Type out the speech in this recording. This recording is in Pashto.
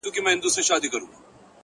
خدايه زارۍ کومه سوال کومه!!